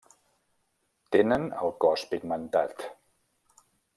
Tenen el cos pigmentat.